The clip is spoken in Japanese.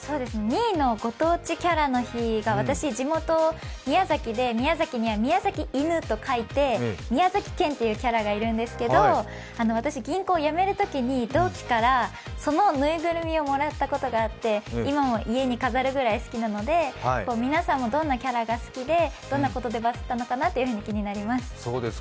２位のご当地キャラの日が、私、地元、宮崎で宮崎にはみやざき犬と書いてみやざきけんという犬がいるんですけど、私、銀行をやめるときに同期からその縫いぐるみをもらったことがあって、今も家に飾るくらい好きなので、皆さんもどんなキャラが好きでどんなことでバズったのかなって気になります。